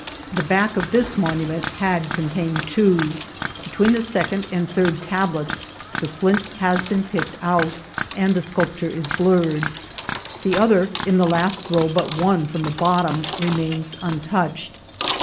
The back of this monument had con tamed two. Between the second and third tablets the flint has been picked out^ and the sculpture is blurred ; the other, in the last row but one from the bottcmi, re mains untouched.